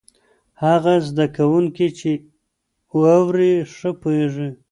هغه زده کوونکی چې اوري، ښه پوهېږي.